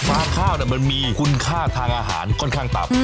ข้าวมันมีคุณค่าทางอาหารค่อนข้างต่ำ